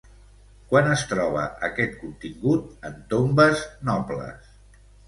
Quan es troba aquest contingut en tombes nobles?